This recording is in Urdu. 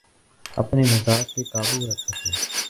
اپنے مزاج پہ قابو رکھ سکے۔